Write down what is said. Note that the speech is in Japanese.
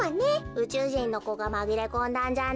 うちゅうじんのこがまぎれこんだんじゃね？